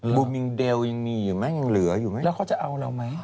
มุมมิงเดลยังมีอยู่ไหมยังเหลืออยู่ไหมแล้วเขาจะเอาเราไหม